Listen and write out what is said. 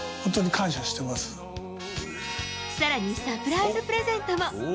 更にサプライズプレゼントも。